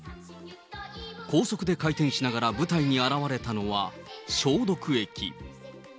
高速で回転しながら舞台に現れたのは消毒液。